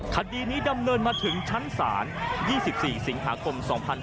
คดีนี้ดำเนินมาถึงชั้นศาล๒๔สิงหาคม๒๕๕๙